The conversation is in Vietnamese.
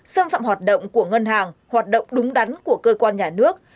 xâm phạm hoạt động của ngân hàng hoạt động đúng đắn của cơ quan nhà nước